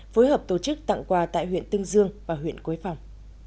phối hợp tổ chức tặng quà tại huyện tương dương và huyện quế phòng